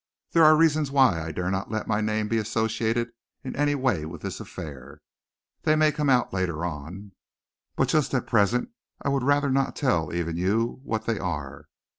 There are reasons why I dare not let my name be associated in any way with this affair. They may come out later on, but just at present I would rather not tell even you what they are.